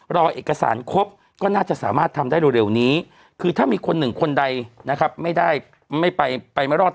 รอเอกสารครบก็น่าจะสามารถทำได้เร็วนี้คือถ้ามีคนหนึ่งคนใดนะครับไม่ได้ไม่ไปไปไม่รอด